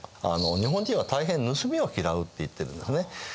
あの「日本人はたいへん盗みを嫌う」って言ってるんですね。